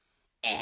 え！？